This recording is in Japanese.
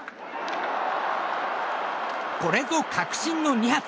これぞ確信の２発。